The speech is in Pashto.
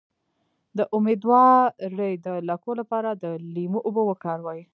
د امیدوارۍ د لکو لپاره د لیمو اوبه وکاروئ